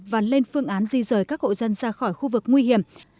và lên phương án di rời các hộ dân ra khỏi khu vực nguy hiểm